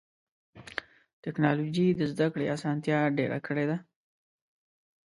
ټکنالوجي د زدهکړې اسانتیا ډېره کړې ده.